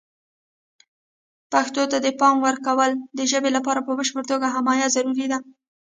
پښتو ته د پام ورکول د ژبې لپاره په بشپړه توګه حمایه ضروري ده.